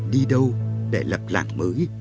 đi đâu để lập làng mới